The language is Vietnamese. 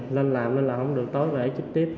lên làm nên là không được tối về chích tiếp